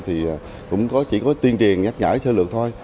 thì cũng có chỉ có tuyên truyền nhắc nhở sơ lược thôi